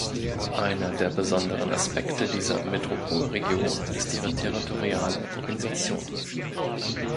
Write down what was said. Einer der besonderen Aspekte dieser Metropolregion ist ihre territoriale Organisation.